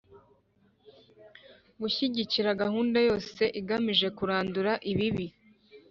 gushyigikira gahunda yose igamije kurandura ibibi